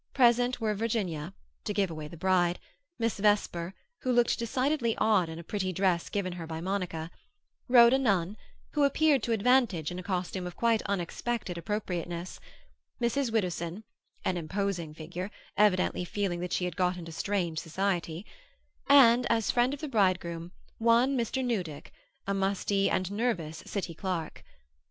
Present were Virginia (to give away the bride), Miss Vesper (who looked decidedly odd in a pretty dress given her by Monica), Rhoda Nunn (who appeared to advantage in a costume of quite unexpected appropriateness), Mrs. Widdowson (an imposing figure, evidently feeling that she had got into strange society), and, as friend of the bridegroom, one Mr. Newdick, a musty and nervous City clerk.